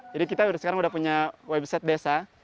jadi kita sudah sekarang punya website desa